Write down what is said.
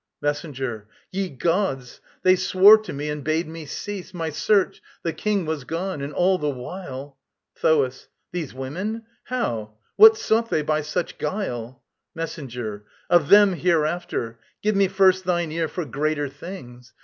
MESSENGER. Ye Gods! They swore to me and bade me cease My search the King was gone. And all the while ...! THOAS. These women? How? What sought they by such guile? MESSENGER. Of them hereafter! Give me first thine ear For greater things.